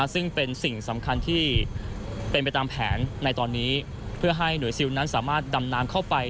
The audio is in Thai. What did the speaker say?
ซึ่งเป็นสิ่งสำคัญที่เป็นไปตามแผนในตอนนี้เพื่อให้หน่วยซิลนั้นสามารถดำน้ำเข้าไป